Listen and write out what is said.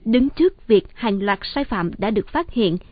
đứng trước việc hàng loạt sai phạm đã được phát hiện